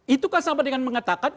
itu kan sama dengan mengatakan